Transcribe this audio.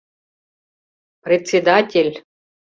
— Председатель!